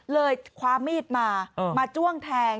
คว้ามีดมามาจ้วงแทง